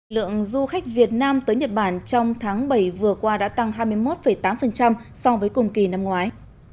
lượng du khách việt nam tới nhật bản trong tháng bảy vừa qua đã tăng hai mươi một tám so với cùng kỳ năm ngoái